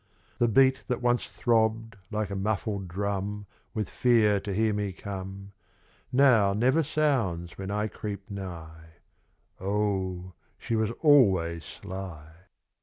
The beat That once throbbed like a muffled drum With fear to hear me come, Now never sounds when I creep nigh. ! she was always sly.